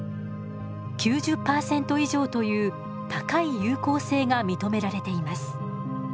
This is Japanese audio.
９０％以上という高い有効性が認められています。